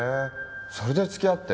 それで付き合って？